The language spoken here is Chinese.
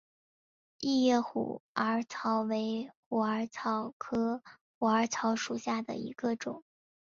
异叶虎耳草为虎耳草科虎耳草属下的一个种。